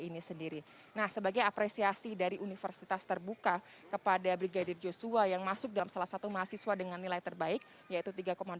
nah sebagai apresiasi dari universitas terbuka kepada brigadir joshua yang masuk dalam salah satu mahasiswa dengan nilai terbaik yaitu tiga delapan